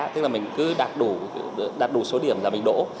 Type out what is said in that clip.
tức là mình cứ đạt đủ số điểm là mình đổ